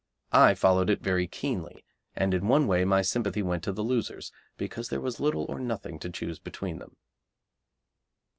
I followed it very keenly, and in one way my sympathy went to the losers, because there was little or nothing to choose between them.